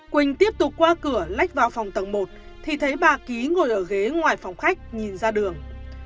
quỳnh tiếp tục qua cửa lách vào phòng tầng một thì thấy bà ký ngồi ở ghế ngoài phòng khách nhìn ra đường